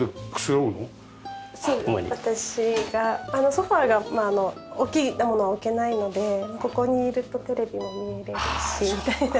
ソファが大きなものは置けないのでここにいるとテレビも見れるしみたいな。